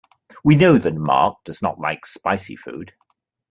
We know that Mark does not like spicy food.